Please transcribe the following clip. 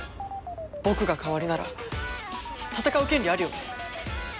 僕が代わりなら戦う権利あるよね？